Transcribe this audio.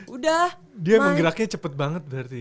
udah dia menggeraknya cepet banget berarti